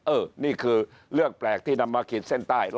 นี่คือเรื่องแปลกที่นำมาขีดเส้นใต้